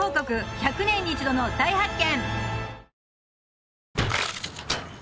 １００年に一度の大発見！